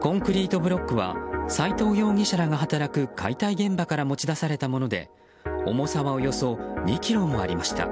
コンクリートブロックは斉藤容疑者らが働く解体現場から持ち出されたもので重さはおよそ２ｋｇもありました。